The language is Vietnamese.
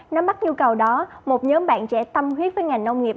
nắm bắt nhu cầu đó một nhóm bạn trẻ tâm huyết với ngành nông nghiệp